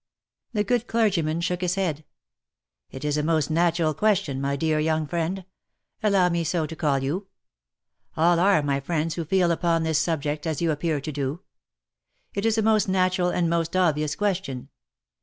The good clergyman shook his head. l( It is a most natural, question, my dear young friend — allow me so to call you. All are my friends who feel upon this subject as you appear to do. It is a most natural and a most obvious question.